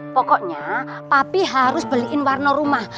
pokoknya papi harus beliin warna rumah